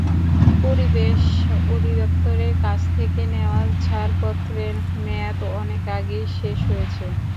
পরিবেশ অধিদপ্তরের কাছ থেকে নেওয়া ছাড়পত্রের মেয়াদ অনেক আগেই শেষ হয়েছে।